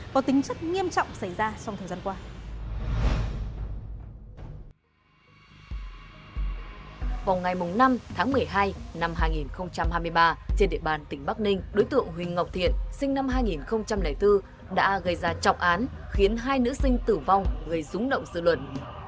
vào ngày năm tháng một mươi hai năm hai nghìn hai mươi ba trên địa bàn tỉnh bắc ninh đối tượng huỳnh ngọc thiện sinh năm hai nghìn bốn đã gây ra trọc án khiến hai nữ sinh tử vong gây rúng động sự luận